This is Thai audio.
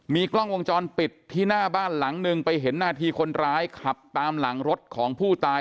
มีกล้องวงจรปิดที่หน้าบ้านหลังหนึ่งไปเห็นหน้าที่คนร้ายขับตามหลังรถของผู้ตาย